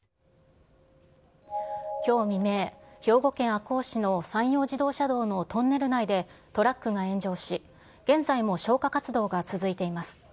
きょう未明、兵庫県赤穂市の山陽自動車道のトンネル内でトラックが炎上し、現在も消火活動が続いています。